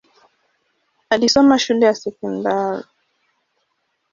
Alisoma shule ya sekondari.